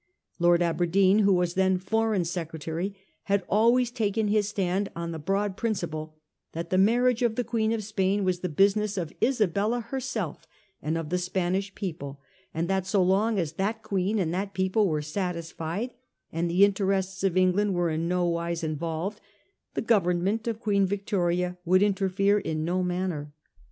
Lord Aberdeen, who was then Foreign Secretary, had always taken his stand on the broad principle that the marriage of the Queen of Spain was the business of Isabella herself and of the Spanish people, and that so long as that Queen and that people were satisfied, and the interests of England were in no wise involved, the Government of Queen Yictoria would interfere in no manner.